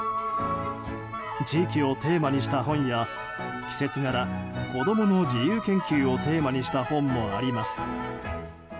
地域をテーマにした本や季節柄、子供の自由研究をテーマにした本もあります。